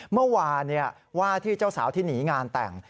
เมื่อวานว่าที่เจ้าสาวที่หนีงานแต่ง